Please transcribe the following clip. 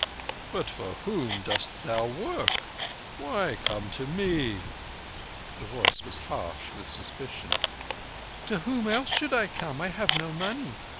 "But for whom dost thou work? Why come to me?" The voice was harsh with suspicion. "To whom else should I come? I have no money.